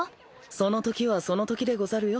そのときはそのときでござるよ。